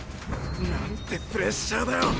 何てプレッシャーだよ！！